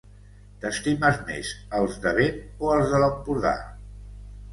T'estimes més els de vent o els de l'Empordà?